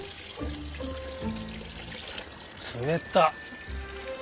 冷たっ！